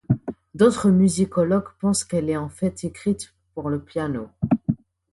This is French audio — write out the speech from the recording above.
D'autres musicologues pensent qu'elle est en fait écrite pour le piano.